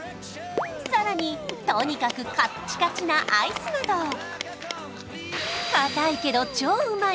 さらにとにかくカッチカチなアイスなど硬いけど超うまい！